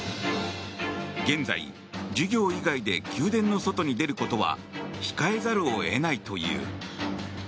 現在、授業以外で宮殿の外に出ることは控えざるを得ないという。